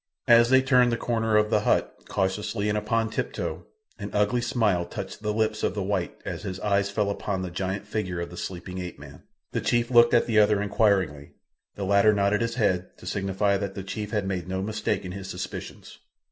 As they turned the corner of the hut, cautiously and upon tiptoe, an ugly smile touched the lips of the white as his eyes fell upon the giant figure of the sleeping ape man. The chief looked at the other inquiringly. The latter nodded his head, to signify that the chief had made no mistake in his suspicions.